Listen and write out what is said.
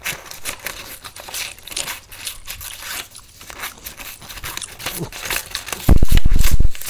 The local language spoken by people is Tulu.